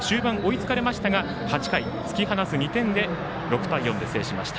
終盤、追いつかれましたが８回、突き放す２点で６対４で制しました。